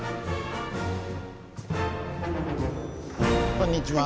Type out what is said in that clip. こんにちは。